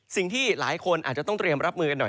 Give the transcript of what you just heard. สิ่งที่หลายคนอาจจะต้องเตรียมรับมือกันหน่อย